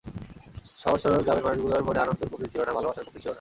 সহজ–সরল গ্রামের মানুষগুলোর মনে আনন্দের কমতি ছিল না, ভালোবাসার কমতি ছিল না।